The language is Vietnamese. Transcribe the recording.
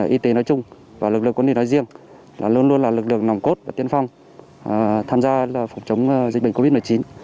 quân y nói chung và lực lượng quân y nói riêng là luôn luôn là lực lượng nòng cốt và tiên phong tham gia phòng chống dịch bệnh covid một mươi chín